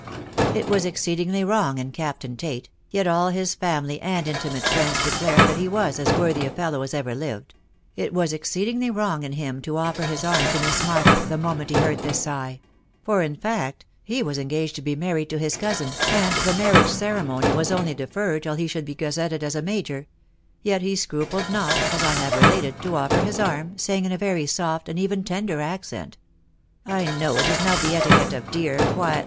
It was exceedingly wrong in Captain Tate (yet all his family and intimate friends declared that he was as worthy a fellow as ever lived) — it was exceedingly wrong in him to offer his arm to Miss Martha the moment he heard this sigh; for in fact he was engaged to be married to his cousin, and the marriage ceremony was only deferred till he should be gazetted as a major ; yet he scrupled not, as I have related, to offer his arm, saying in a very soft, and even tender , accent, — "I know it is not the etiquette oi teas, <^t\.